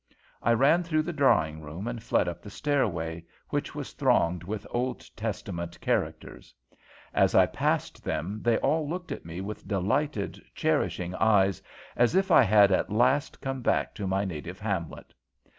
I ran through the drawing room and fled up the stairway, which was thronged with Old Testament characters. As I passed them, they all looked at me with delighted, cherishing eyes, as if I had at last come back to my native hamlet.